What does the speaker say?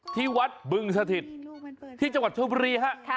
ที่วัดบึงสถิตที่จังหวัดชมบุรีฮะ